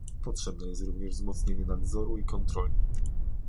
Potrzebne jest również wzmocnienie nadzoru i kontroli